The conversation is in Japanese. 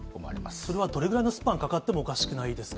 それはどれぐらいのスパンかおかしくないです。